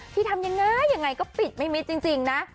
ทำยังไงยังไงก็ปิดไม่มิดจริงนะ